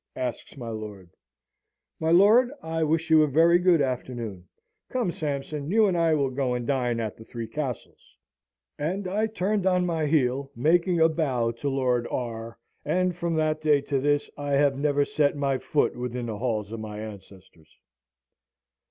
asks my lord. "My lord, I wish you a very good afternoon. Come, Sampson, you and I will go and dine at the Three Castles." And I turned on my heel, making a bow to Lord R , and from that day to this I have never set my foot within the halls of my ancestors.